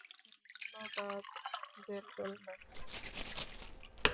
ধন্যবাদ, জেন্টলম্যান।